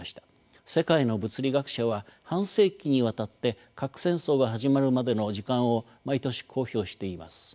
世界の物理学者は半世紀にわたって核戦争が始まるまでの時間を毎年公表しています。